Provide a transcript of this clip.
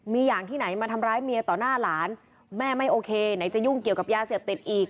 มีอย่างที่ไหนมาทำร้ายเมียต่อหน้าหลานแม่ไม่โอเคไหนจะยุ่งเกี่ยวกับยาเสพติดอีก